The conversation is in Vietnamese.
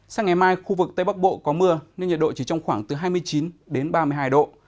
sáng ngày mai khu vực tây bắc bộ có mưa nên nhiệt độ chỉ trong khoảng từ hai mươi chín đến ba mươi hai độ